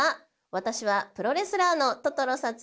私はプロレスラーのトトロさつきです。